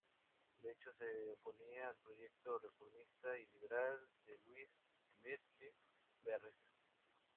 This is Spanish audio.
De hecho, se oponía al proyecto reformista y liberal de Luis Batlle Berres.